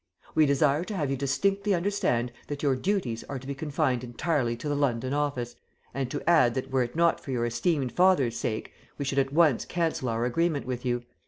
We desire to have you distinctly understand that your duties are to be confined entirely to the London office, and to add that were it not for your esteemed father's sake we should at once cancel our agreement with you.